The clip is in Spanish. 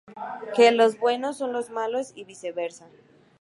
Que los "buenos" son los "malos" y viceversa.